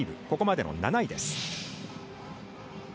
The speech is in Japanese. ここまでの７位です。